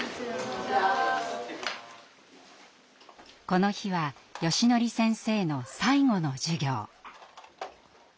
この日はよしのり先生の最後の授業。